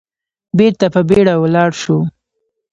بېرته په بيړه ولاړ شو.